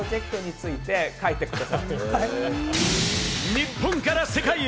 日本から世界へ！